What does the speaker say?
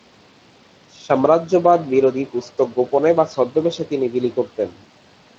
সাম্রাজ্যবাদ বিরোধী পুস্তক গোপনে বা ছদ্মবেশে তিনি বিলি করতেন।